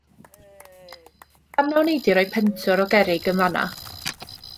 Pam na wnei di roi pentwr o gerrig yn fan 'na?